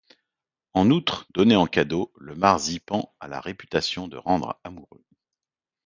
En outre, donné en cadeau, le marzipan a la réputation de rendre amoureux.